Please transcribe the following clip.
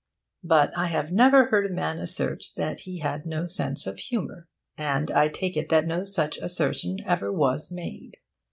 But I have never heard a man assert that he had no sense of humour. And I take it that no such assertion ever was made.